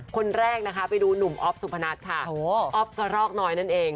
คนแรกไปดูหนุ่มออฟสุพนัทออฟกะรอกนอยนั่นเอง